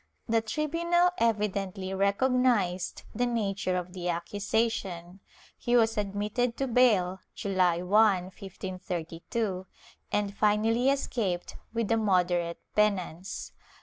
The tribunal evidently recognized the nature of the accu sation; he was admitted to bail, July 1, 1532, and finally escaped with a moderate penance.